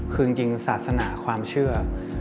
คือจริงศาสนาความเชื่อ